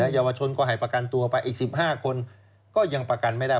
เยาวชนก็ให้ประกันตัวไปอีก๑๕คนก็ยังประกันไม่ได้